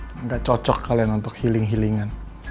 tidak cocok kalian untuk healing healingan